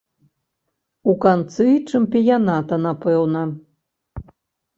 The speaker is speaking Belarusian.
У канцы чэмпіяната, напэўна.